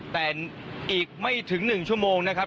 แต่อีกไม่ถึง๑ชั่วโมงนะครับ